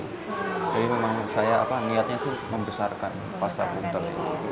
jadi memang saya niatnya membesarkan pasta buntel